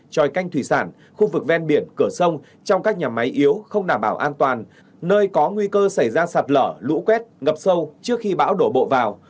tròi canh thủy sản khu vực ven biển cửa sông trong các nhà máy yếu không đảm bảo an toàn nơi có nguy cơ xảy ra sạt lở lũ quét ngập sâu trước khi bão đổ bộ vào